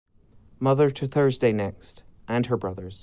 Mother to Thursday Next and her brothers.